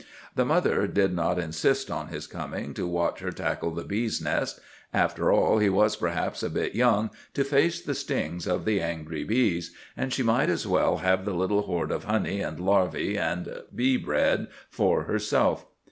The mother did not insist on his coming to watch her tackle the bees' nest. After all, he was perhaps a bit young to face the stings of the angry bees, and she might as well have the little hoard of honey and larvæ and bee bread for herself.